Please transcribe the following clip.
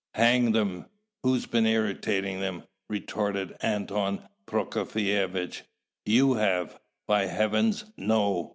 "Hang them! who's been irritating them?" retorted Anton Prokofievitch. "You have!" "By Heavens, no!